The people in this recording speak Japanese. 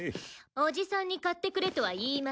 おじさんに買ってくれとは言いません。